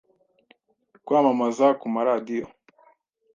kwamamaza ku ma radio